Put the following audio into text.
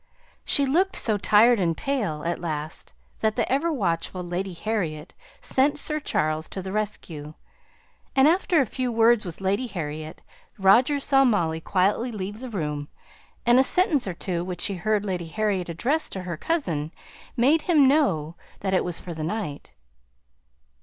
She looked so tired and pale at last that the ever watchful Lady Harriet sent Sir Charles to the rescue, and after a few words with Lady Harriet, Roger saw Molly quietly leave the room; and a sentence or two which he heard Lady Harriet address to her cousin made him know that it was for the night.